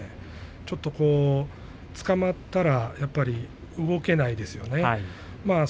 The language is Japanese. ちょっとつかまったら、やっぱり動けないですよね。